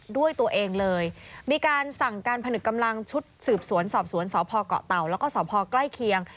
ด้วยตัวเองเลยมีการสั่งการผนึกกำลังชุดสืบสวนสอบสวนสพเกาะเต่าแล้วก็สพใกล้เคียง